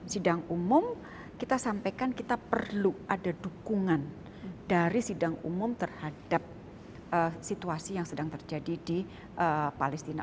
sidang umum kita sampaikan kita perlu ada dukungan dari sidang umum terhadap situasi yang sedang terjadi di palestina